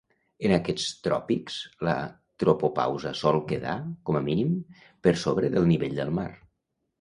En aquests tròpics, la tropopausa sol quedar, com a mínim, per sobre del nivell del mar.